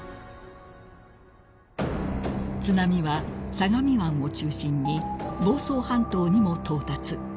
［津波は相模湾を中心に房総半島にも到達］